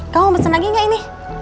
kamu pesen lagi gak ini